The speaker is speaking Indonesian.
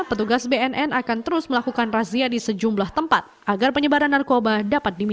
petugas bnn akan terus melakukan razia di sejumlah tempat agar penyebaran narkoba